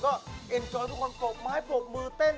คือนั่นยิ้มไม่ห่วงไปก็คือ